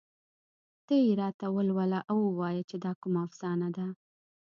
ته یې راته ولوله او ووايه چې دا کومه افسانه ده